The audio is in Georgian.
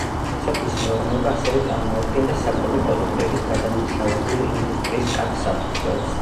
სოფლის მეურნეობა ასევე წარმოადგენდა საკვები პროდუქტების გადამამუშავებელი ინდუსტრიის კარგ საფუძველს.